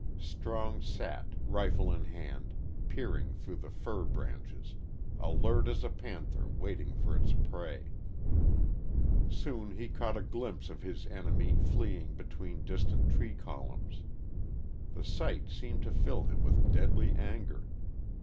Strong sat, rifle in hand, peering through the fir branches alert as a panther waiting for its prey. Soon he caught a glimpse of his enemy fleeing between distant tree columns. The sight seemed to fill him with deadly anger.